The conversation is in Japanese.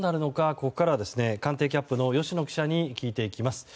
ここからは官邸キャップの吉野記者に聞いていきます。